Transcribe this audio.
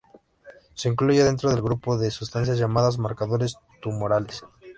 Se incluye dentro del grupo de sustancias llamadas marcadores tumorales.